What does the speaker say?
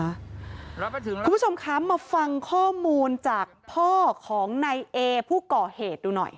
คุณผู้ชมคะมาฟังข้อมูลจากพ่อของนายเอผู้ก่อเหตุดูหน่อย